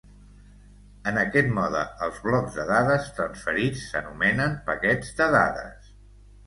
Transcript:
En aquest mode els blocs de dades transferits s'anomenen paquets de dades.